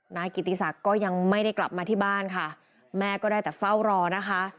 นายกิติศักดิ์ก็ยังไม่ได้กลับมาที่บ้านค่ะแม่ก็ได้แต่เฝ้ารอนะคะ